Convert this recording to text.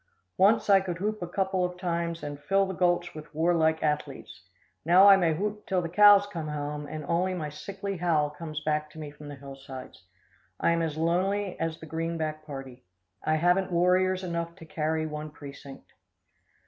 Once I could whoop a couple of times and fill the gulch with warlike athletes. Now I may whoop till the cows come home and only my sickly howl comes back to me from the hillsides. I am as lonely as the greenback party. I haven't warriors enough to carry one precinct.